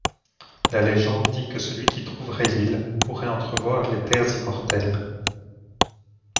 La légende dit que celui qui trouverait l'île, pourrait entrevoir les Terres Immortelles.